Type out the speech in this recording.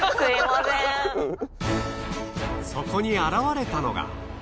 そこに現れたのが。